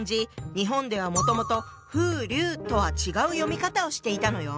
日本ではもともと「ふうりゅう」とは違う読み方をしていたのよ。